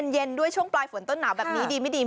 เย็นด้วยช่วงปลายฝนต้นหนาวแบบนี้ดีไม่ดี